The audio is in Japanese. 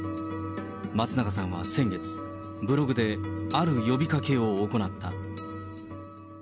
松永さんは先月、ブログである呼びかけを行った。